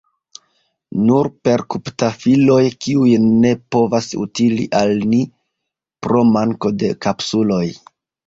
Nur perkutpafiloj, kiuj ne povas utili al ni, pro manko de kapsuloj.